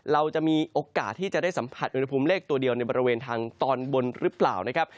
เราจะมีโอกาสที่จะได้สัมผัสอุณหภูมิเลขตัวเดียวในบริเวณทางตอนบนหรือเปล่านะครับ